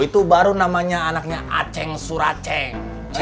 itu baru namanya anaknya aceng suraceng